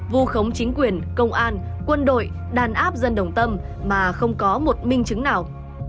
vu khống chính quyền công an quân đội đàn áp dân đồng tâm mà không có một minh chứng nào